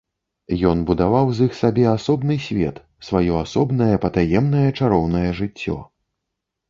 Ён будаваў з іх сабе асобны свет, сваё асобнае, патаемнае, чароўнае жыццё.